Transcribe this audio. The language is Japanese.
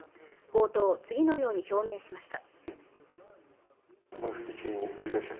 冒頭、次のように表明しました。